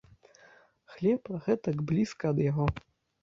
Хлеб, гэтак блізка ад яго!